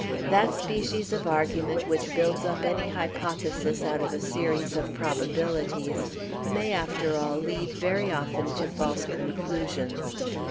That species of argument which builds up any hypothesis out of a series of probabilities may, after all, lead very often to false conclusions.